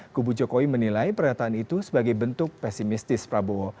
kubu jokowi menilai pernyataan itu sebagai bentuk pesimistis prabowo